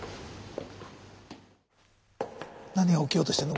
何が起きようとしてんの？